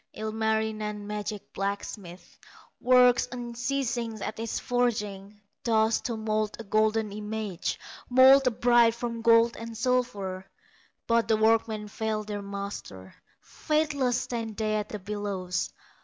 Ilmarinen, magic blacksmith, Works unceasing at his forging, Thus to mould a golden image, Mould a bride from gold and silver; But the workmen fail their master, Faithless stand they at the bellows.